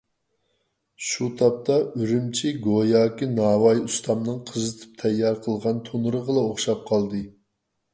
شۇ تاپتا ئۈرۈمچى گوياكى ناۋاي ئۇستامنىڭ قىزىتىپ تەييار قىلغان تونۇرىغىلا ئوخشاپ قالدى.